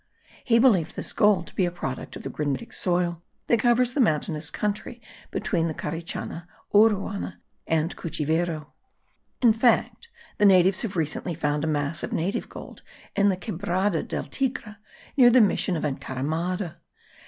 He believed this gold to be a product of the granitic soil that covers the mountainous country between the Carichana, Uruana, and Cuchivero. In fact the natives have recently found a mass of native gold in the Quebrada del Tigre near the mission of Encaramada.